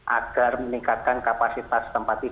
agar meningkatkan kapasitas